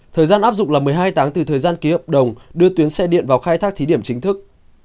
thời gian áp dụng là một mươi hai tháng từ thời gian ký hợp đồng đưa tuyến xe điện vào khai thác thí điểm chính thức